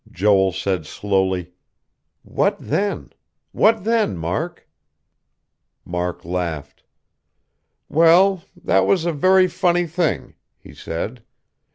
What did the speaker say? Joel said slowly: "What then? What then, Mark?" Mark laughed. "Well, that was a very funny thing," he said.